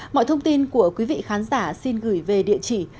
mọi thông tin của quý vị khán giả xin gửi về địa chỉ